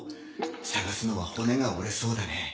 捜すのは骨が折れそうだね。